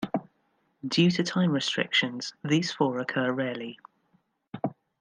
Due to time restrictions, these four occur rarely.